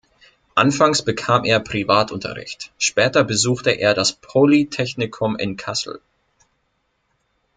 Anfangs bekam er Privatunterricht, später besuchte er das Polytechnikum in Kassel.